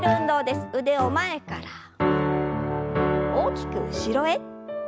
腕を前から大きく後ろへ。